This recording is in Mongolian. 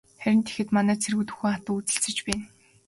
Харин тэгэхэд манай цэргүүд үхэн хатан үзэлцэж байна.